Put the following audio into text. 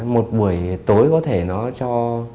một buổi tối có thể nó cho